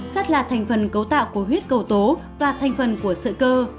sắt là thành phần cấu tạo của huyết cầu tố và thành phần của sự cơ